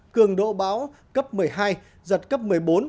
cường độ bão cấp một mươi hai giật cấp một mươi bốn một mươi năm